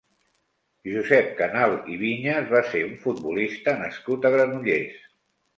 Josep Canal i Viñas va ser un futbolista nascut a Granollers.